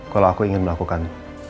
kalau aku ingin melakukan